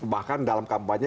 bahkan dalam kampanye